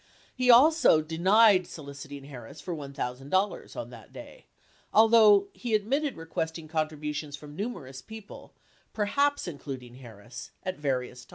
He also denied soliciting Harris for $1,000 on that day, although he admitted requesting contributions from numerous people — perhaps including Harris — at various times.